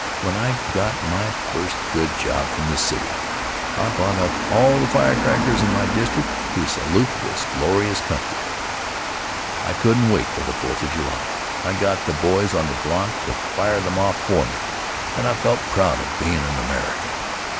When I got my first good job from the city I bought up all the firecrackers in my district to salute this glorious country. I couldn't wait for the Fourth of July 1 got the boys on the block to fire them off for me, and I felt proud of bein' an American.